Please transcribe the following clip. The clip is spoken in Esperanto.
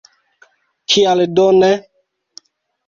Kial do ne?